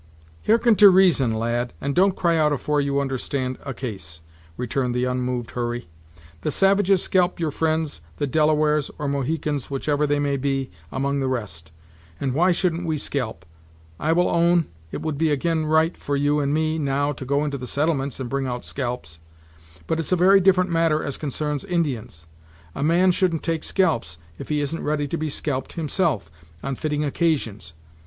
"Hearken to reason, lad, and don't cry out afore you understand a case," returned the unmoved Hurry; "the savages scalp your fri'nds, the Delawares, or Mohicans whichever they may be, among the rest; and why shouldn't we scalp? I will own, it would be ag'in right for you and me now, to go into the settlements and bring out scalps, but it's a very different matter as concerns Indians. A man shouldn't take scalps, if he isn't ready to be scalped, himself, on fitting occasions.